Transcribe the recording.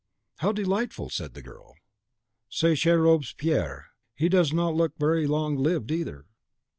"How delightful!" said the girl; "ce cher Robespierre! he does not look very long lived either!"